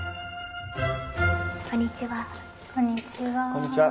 こんにちは。